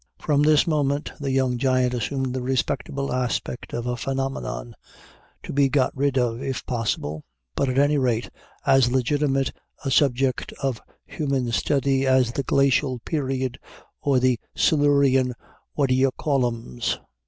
From this moment the young giant assumed the respectable aspect of a phenomenon, to be got rid of if possible, but at any rate as legitimate a subject of human study as the glacial period or the silurian what d'ye call ems.